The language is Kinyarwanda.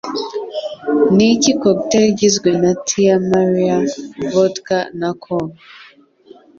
Niki cocktail igizwe na Tia Maria, Vodka na Coke?